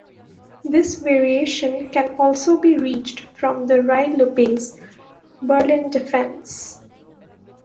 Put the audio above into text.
This variation can also be reached from the Ruy Lopez, Berlin Defence.